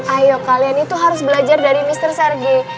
ayo kalian itu harus belajar dari mr sarge